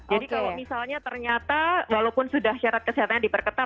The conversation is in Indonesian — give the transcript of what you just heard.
jadi kalau misalnya ternyata walaupun sudah syarat kesehatan diperketat